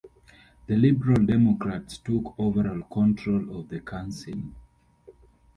The Liberal Democrats took overall control of the council.